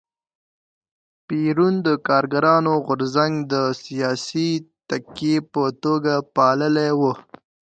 پېرون د کارګرانو غورځنګ د سیاسي تکیې په توګه پاللی و.